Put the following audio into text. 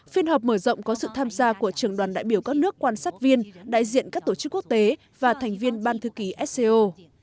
phiên họp mở rộng có sự tham gia của trường đoàn đại biểu các nước quan sát viên đại diện các tổ chức quốc tế và thành viên ban thư ký sco